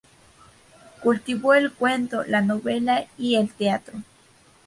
Cultivó el cuento, la novela y el teatro.